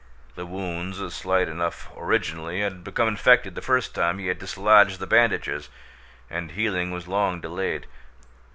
The wounds, slight enough originally, had become infected the first time he had dislodged the bandages, and healing was long delayed.